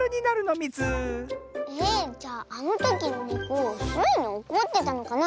えじゃああのときのネコスイにおこってたのかな？